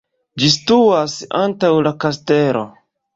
Ĝi situas antaŭ la kastelo.